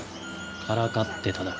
からかってただけ。